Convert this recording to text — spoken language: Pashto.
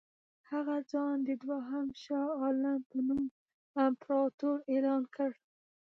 هغه ځان د دوهم شاه عالم په نوم امپراطور اعلان کړ.